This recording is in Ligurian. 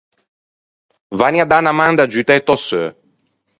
Vanni à dâ unna man d’aggiutto a-e tò seu!